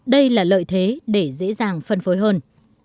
đây là lợi thế để dễ dàng phân phối hơn